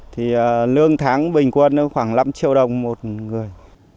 thì lương tháng bình quân khoảng năm triệu đồng một người